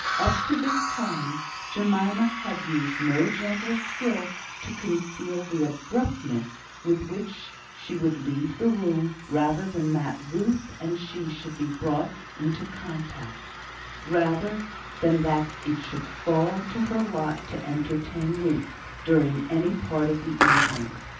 Up to this time Jemima had used no gentle skill to conceal the abruptness with which she would leave the room rather than that Ruth and she should be brought into contact rather than that it should fall to her lot to entertain Ruth during any part of the evening.